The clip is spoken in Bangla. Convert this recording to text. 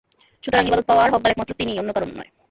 সুতরাং ইবাদত পাওয়ার হকদার একমাত্র তিনিই, অন্য কেউ নয়।